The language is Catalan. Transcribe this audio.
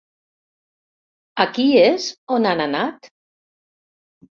Aquí és on han anat?